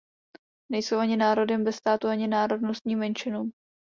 Nejsou ani národem bez státu, ani národnostní menšinou.